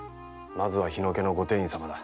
まずは日野家のご典医様だ。